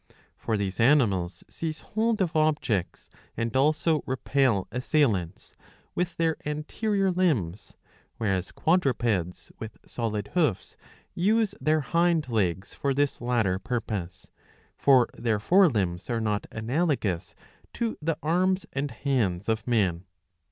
For these animals seize hold of objects, and also repel assailants, with their anterior limbs ; whereas quadrupeds with solid hoofs use their hind legs for this latter purpose.*^ For their fore limbs are not analogous to the arms and hands of man.